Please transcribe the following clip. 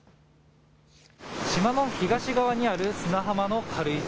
島の東側にある砂浜の軽石。